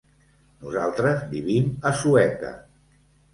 Nosaltres vivim a Sueca.